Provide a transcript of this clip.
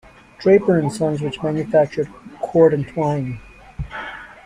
Draper and Sons which manufactured cord and twine.